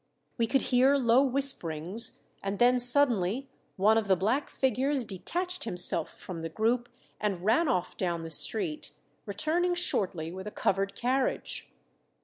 We could hear low whisperings, and then suddenly one of the black figures detached himself from the group, and ran off down the street, returning shortly with a covered carriage.